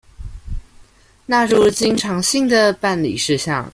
納入經常性的辦理事項